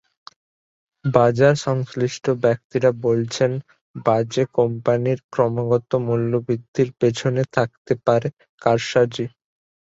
বাজার-সংশ্লিষ্ট ব্যক্তিরা বলছেন, বাজে কোম্পানির ক্রমাগত মূল্যবৃদ্ধির পেছনে থাকতে পারে কারসাজি।